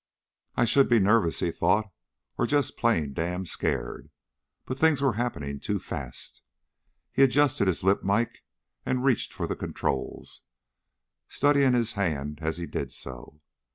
I should be nervous, he thought, or just plain damned scared. But things were happening too fast. He adjusted his lip mike and reached for the controls, studying his hand as he did so.